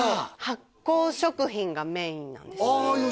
発酵食品がメインなんですああよ